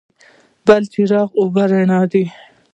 بلچراغ اوبه رڼې دي؟